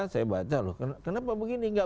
saya baca loh kenapa begini